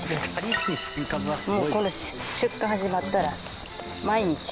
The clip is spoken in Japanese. この出荷始まったら毎日。